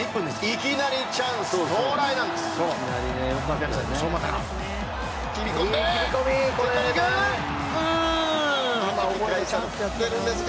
いきなりチャンス到来なんです。